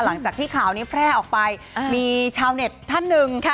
หลังจากที่ข่าวนี้แพร่ออกไปมีชาวเน็ตท่านหนึ่งค่ะ